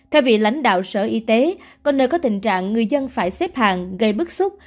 theo vị lãnh đạo sở y tế có nơi có tình trạng người dân phải xếp hàng gây bức xúc